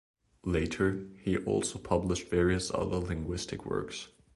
Later, he also published various other linguistic works.